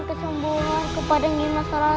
kesembuhan kepada nama masalah